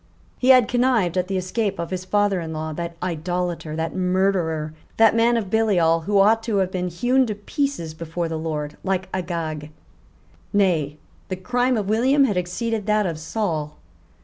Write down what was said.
He had connived at the escape of his father in law, that idolater, that murderer, that man of Belial, who ought to have been hewn in pieces before the Lord, like Agag. Nay, the crime of William had exceeded that of Saul.